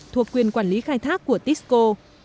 thuộc quyền quản lý khai thác của tisco